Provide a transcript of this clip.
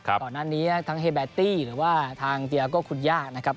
ก่อนหน้านี้ทั้งเฮเบตตี้หรือว่าทางเตียโก้คุณย่านะครับ